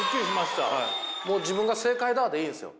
もう自分が正解だでいいですよ。